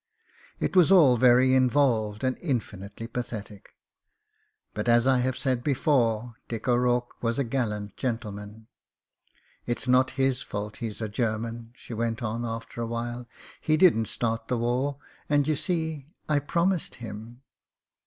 It was all very involved and infinitely pathetic. But, 30 MEN, WOMEN AND GUNS as I have said before, Dick CyRourke was a gallant gentleman. ''It's not his fault he's a German/' she went on after a while. "He didn't start the war — ^and, you see, I promised him."